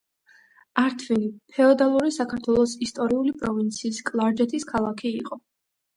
ართვინი ფეოდალური საქართველოს ისტორიული პროვინციის კლარჯეთის ქალაქი იყო.